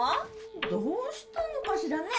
どうしたのかしらね？